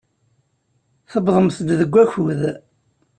Tewwḍemt-d deg wakud.